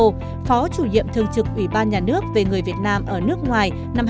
phó chủ nhiệm thương trực ủy ban nhà nước về người việt nam ở nước ngoài năm hai nghìn bảy hai nghìn một mươi